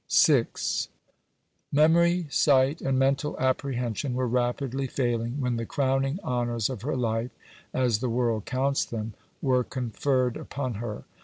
VI Memory, sight, and mental apprehension were rapidly failing when the crowning honours of her life (as the world counts them) were conferred upon her.